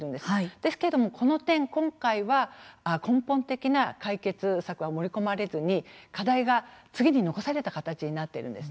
ですけれどもこの点今回は根本的な解決策は盛り込まれずに課題が次に残された形になっているんです。